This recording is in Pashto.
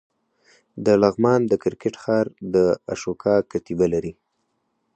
د لغمان د کرکټ ښار د اشوکا کتیبه لري